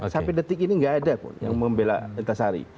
sampai detik ini nggak ada kok yang membela antasari